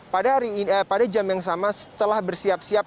pada jam yang sama setelah bersiap siap